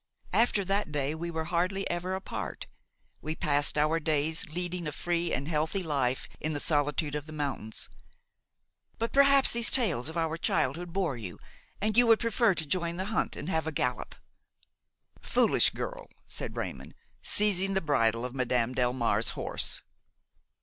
After that day we were hardly ever apart; we passed our days leading a free and healthy life in the solitude of the mountains. But perhaps these tales of our childhood bore you, and you would prefer to join the hunt and have a gallop." "Foolish girl," said Raymon, seizing the bridle of Madame Delmare's horse.